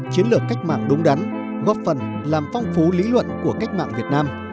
chiến lược cách mạng đúng đắn góp phần làm phong phú lý luận của cách mạng việt nam